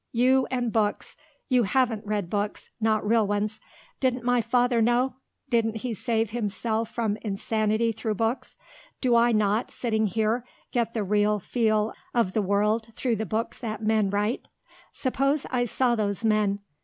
You and books! You haven't read books, not real ones. Didn't my father know; didn't he save himself from insanity through books? Do I not, sitting here, get the real feel of the movement of the world through the books that men write? Suppose I saw those men.